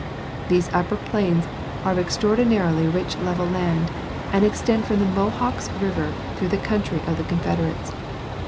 These Upper Plains are of extraordinary rich level land, and extend from the Mohocks river through the country of the Confederates.